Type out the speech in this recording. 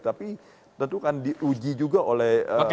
tapi tentu kan diuji juga oleh